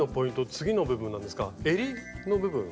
次の部分なんですがえりの部分。